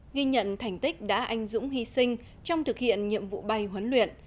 ghi nhận thành tích đã anh dũng hy sinh trong thực hiện nhiệm vụ bay huấn luyện